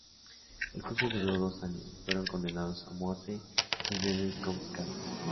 El juicio duró dos años; fueron condenados a muerte y sus bienes confiscados.